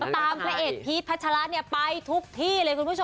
ตามเทรจพิธภาชรรณไปทุกที่